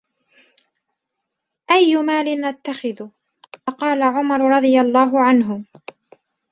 أَيُّ مَالٍ نَتَّخِذُ ؟ فَقَالَ عُمَرُ رَضِيَ اللَّهُ عَنْهُ